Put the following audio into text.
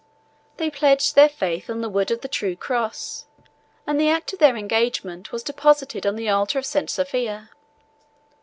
They pledged their faith on the wood of the true cross, and the act of their engagement was deposited on the altar of St. Sophia.